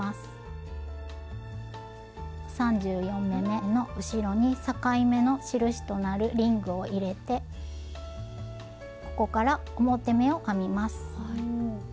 ３４目めの後ろに境目の印となるリングを入れてここから表目を編みます。